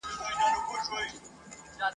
نه څپلۍ نه به جامې د چا غلاکیږي !.